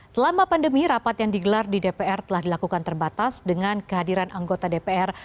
selama pandemi rapat yang digelar di dpr telah dilakukan terbatas dengan kehadiran anggota dpr